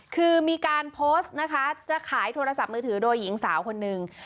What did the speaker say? คือมีการโพสต์นะคะจะขายโทรศัพท์มือถือโดยหญิงสาวคนหนึ่ง